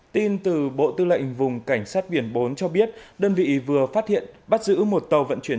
tin từ bộ tư lệnh vùng cảnh sát biển bốn cho biết đơn vị vừa phát hiện bắt giữ một tàu vận chuyển